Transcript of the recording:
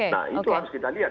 nah itu harus kita lihat